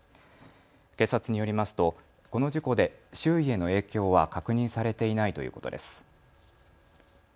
警察によりますと、この事故で周囲への影響は確認されていないということです。